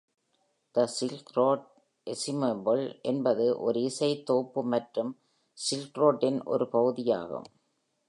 The Silk Road Ensemble என்பது ஒரு இசை தொகுப்பு மற்றும் Silkroad இன் ஒரு பகுதியாகும்.